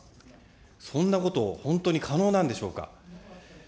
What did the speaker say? そんなこと、本当に可能なんでしょうか。